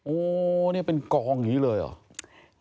โอ้นี่เป็นกองอย่างนี้เลยเหรอ